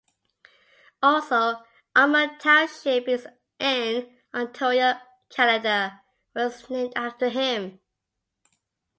Also Armour Township in Ontario, Canada, was named after him.